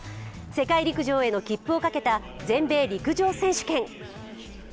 世界陸上への切符を懸けた全米陸上選手権。